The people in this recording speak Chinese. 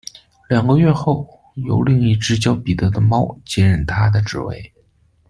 两个月后，由另一只名叫彼得的猫接任它的职位。